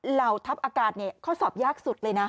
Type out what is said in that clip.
เหล่าทัพอากาศข้อสอบยากสุดเลยนะ